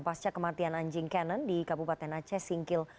pasca kematian anjing canon di kabupaten aceh singkil